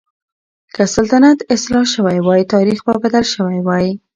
که سلطنت اصلاح شوی وای، تاريخ به بدل شوی وای.